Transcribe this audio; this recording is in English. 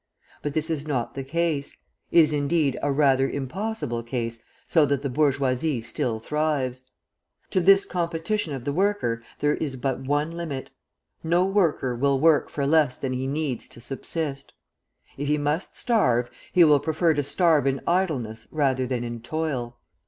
But this is not the case is, indeed, a rather impossible case so that the bourgeoisie still thrives. To this competition of the worker there is but one limit; no worker will work for less than he needs to subsist. If he must starve, he will prefer to starve in idleness rather than in toil.